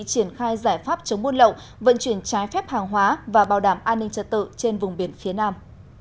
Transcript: triển khai giải pháp chống buôn lậu vận chuyển trái phép hàng hóa và bảo đảm an ninh trật tự trên vùng biển phía nam